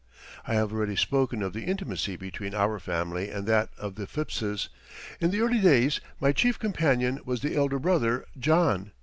I have already spoken of the intimacy between our family and that of the Phippses. In the early days my chief companion was the elder brother, John.